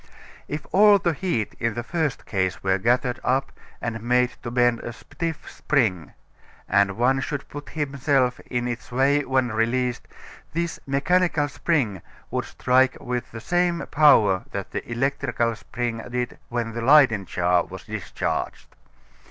If all the heat in the first case were gathered up and made to bend a stiff spring, and one should put himself in its way when released, this mechanical spring would strike with the same power that the electrical spring did when the Leyden jar was discharged.